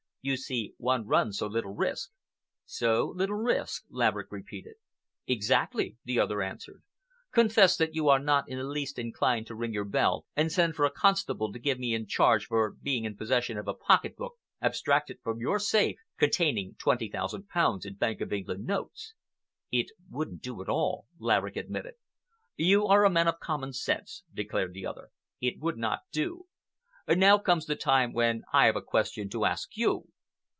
You see, one runs so little risk." "So little risk!" Laverick repeated. "Exactly," the other answered. "Confess that you are not in the least inclined to ring your bell and send for a constable to give me in charge for being in possession of a pocket book abstracted from your safe, containing twenty thousand pounds in Bank of England notes." "It wouldn't do at all," Laverick admitted. "You are a man of common sense," declared the other. "It would not do. Now comes the time when I have a question to ask you.